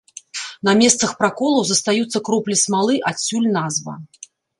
На месцах праколаў застаюцца кроплі смалы, адсюль назва.